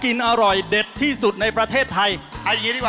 มีของกินอร่อยเด็ดที่สุดในประเทศไทย